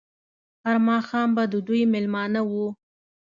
هر ماښام به د دوی مېلمانه وو.